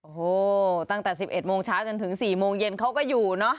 โอ้โหตั้งแต่๑๑โมงเช้าจนถึง๔โมงเย็นเขาก็อยู่เนอะ